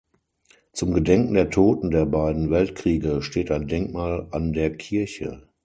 Zum Gedenken der Toten der beiden Weltkriege steht ein Denkmal an der Kirche.